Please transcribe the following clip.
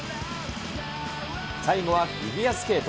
最後はフィギュアスケート。